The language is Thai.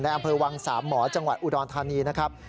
อำเภอวังสามหมอจังหวัดอุดรธานีนะครับ